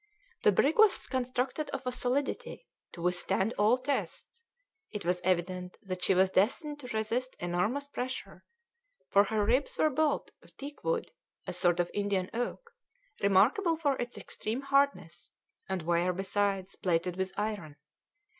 The brig was constructed of a solidity to withstand all tests; it was evident that she was destined to resist enormous pressure, for her ribs were built of teak wood, a sort of Indian oak, remarkable for its extreme hardness, and were, besides, plated with iron.